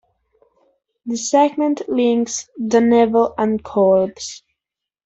The segment links Danebo and Cordes.